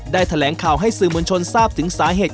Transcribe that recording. แถลงข่าวให้สื่อมวลชนทราบถึงสาเหตุ